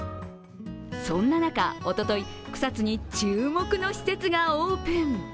そんな中、おととい草津に注目の施設がオープン。